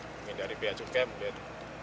mungkin dari biaya cukai mungkin